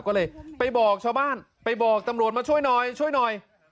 ก็เลยไปบอกชาวบ้านไปบอกตำรวจมาช่วยหน่อยช่วยหน่อย